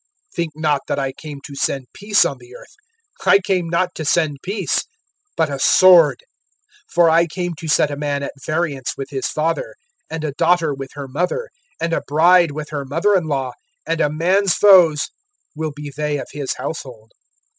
(34)Think not that I came to send peace on the earth; I came not to send peace, but a sword. (35)For I came to set a man at variance with his father, and a daughter with her mother, and a bride with her mother in law; (36)and a man's foes will be they of his household.